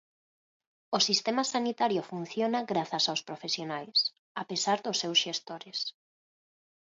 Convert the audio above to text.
O sistema sanitario funciona grazas aos profesionais, a pesar dos seus xestores.